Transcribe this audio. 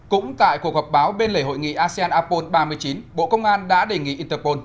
cũng tại cuộc họp báo bên lề hội nghị asean apol ba mươi chín bộ công an đã đề nghị interpol